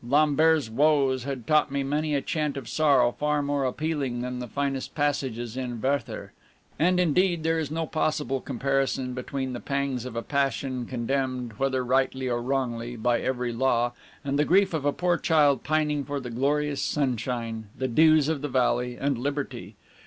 Lambert's woes had taught me many a chant of sorrow far more appealing than the finest passages in "Werther." And, indeed, there is no possible comparison between the pangs of a passion condemned, whether rightly or wrongly, by every law, and the grief of a poor child pining for the glorious sunshine, the dews of the valley, and liberty.